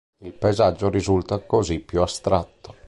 Il paesaggio risulta così più astratto.